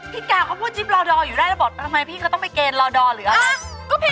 กาวเขาพูดจิ๊บรอดออยู่ได้แล้วบอกทำไมพี่เขาต้องไปเกณฑ์รอดอร์หรืออะไร